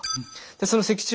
でその脊柱